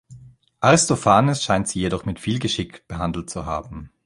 Aristophanes scheint sie jedoch mit viel Geschick behandelt zu haben.